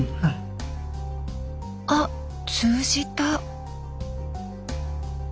あっ通じた。